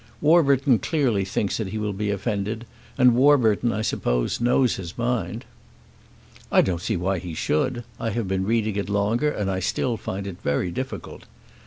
"Warburton clearly thinks that he will be offended, and Warburton, I suppose, knows his mind." "I don't see why he should. I have been reading it longer, and I still find it very difficult.